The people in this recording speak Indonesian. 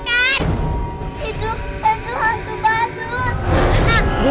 itu itu hantu badut